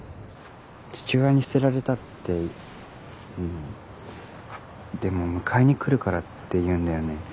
父親に捨てられたってでも迎えに来るからって言うんだよね。